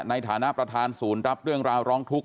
ในฐานะประธานศูนย์รับเรื่องราวร้องทุกข